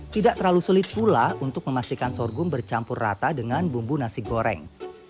tidak terlalu sulit pula untuk memastikan sorghum bercampur rata dengan bumbu nasi goreng